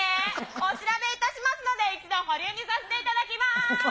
お調べいたしますので、一度保留にさせていただきまーす。